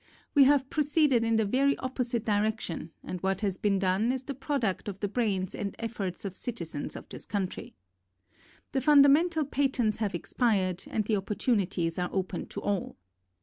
We have proceeded in the very opposite direction and what has been done is the product of the brains and ef forts of citizens of this country. The fun damental patents have expired and the op portunities are open to all.